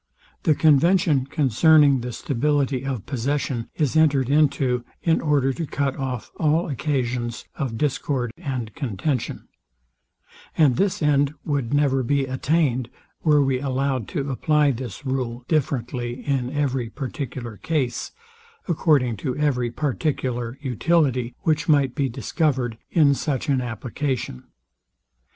The convention concerning the stability of possession is entered into, in order to cut off all occasions of discord and contention; and this end would never be attained, were we allowed to apply this rule differently in every particular case, according to every particular utility, which might be discovered in such an application.